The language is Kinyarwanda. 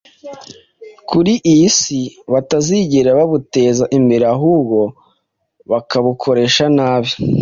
kuri iyi si batazigera babuteza imbere ahubwo bakabukoresha nabi.